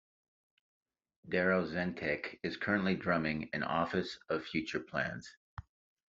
Darren Zentek is currently drumming in Office of Future Plans.